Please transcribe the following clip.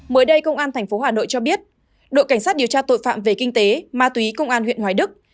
mới đây công an tp hà nội cho biết đội cảnh sát điều tra tội phạm về kinh tế ma túy công an huyện hoài đức